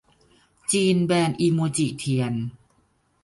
จีนแบนอิโมจิเทียน